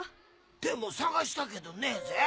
でも探したけどねえぜ。